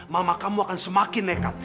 mama kamu akan semakin nekat